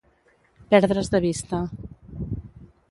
Perdre's de vista.